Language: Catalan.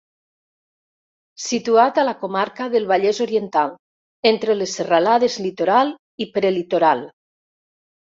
Situat a la comarca del Vallès Oriental, entre les serralades Litoral i Prelitoral.